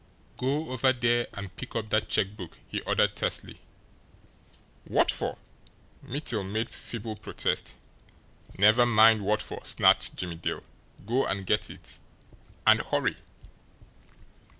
"Go over there and pick up that check book!" he ordered tersely. "What for?" Mittel made feeble protest. "Never mind what for!" snapped Jimmie Dale. "Go and get it and HURRY!"